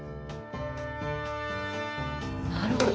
なるほど。